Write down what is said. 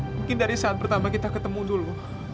mungkin dari saat pertama kita ketemu dulu